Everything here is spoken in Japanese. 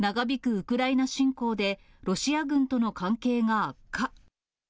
ウクライナ侵攻で、ロシア軍との関係が悪化。